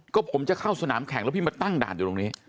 ก็ผมจะเข้าสนามแข่งแล้วพี่มาตั้งด่านอยู่ตรงนี้